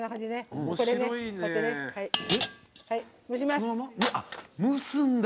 蒸します。